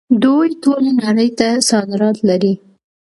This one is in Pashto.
دوی ټولې نړۍ ته صادرات لري.